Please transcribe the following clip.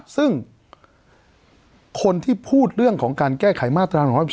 ซึ่งคนที่พูดเรื่องของการแก้ไขมาตรา๑๑๒